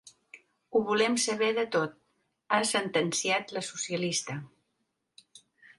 Ho volem saber de tot, ha sentenciat la socialista.